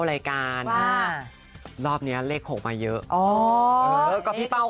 ๒แล้วก็๔๕๔๖